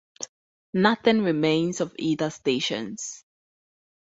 Nothing remains of either stations.